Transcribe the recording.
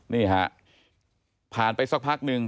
นี่ฮะผ่านไปสักพักหนึ่ง